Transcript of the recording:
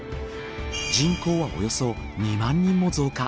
人口はおよそ２万人も増加。